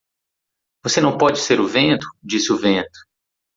"Você não pode ser o vento?", disse o vento.